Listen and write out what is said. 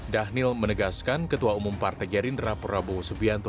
dhanil menegaskan ketua umum partai gerindra prabowo subianto